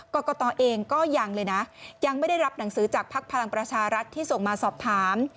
กรกตเองก็ยังเลยนะยังไม่ได้รับหนังสือจากภักดิ์พลังประชารัฐที่ส่งมาสอบถาม